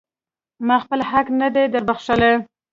ما خپل حق نه دی در بښلی.